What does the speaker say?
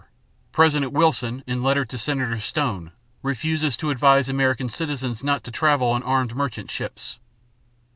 24 President Wilson in letter to Senator Stone refuses to advise American citizens not to travel on armed merchant ships.